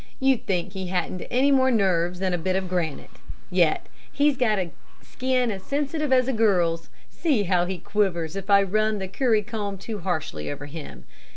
You'd think he hadn't any more nerves than a bit of granite. Yet he's got a skin as sensitive as a girl's. See how he quivers if I run the curry comb too harshly over him.